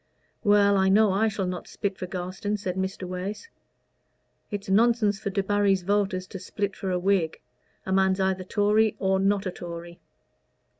"Well, I know I shall not split for Garstin," said Mr. Wace. "It's nonsense for Debarry's voters to split for a Whig. A man's either a Tory or not a Tory."